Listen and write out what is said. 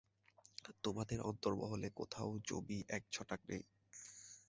তোমাদের অন্দরমহলে কোথাও জমি এক ছটাক নেই।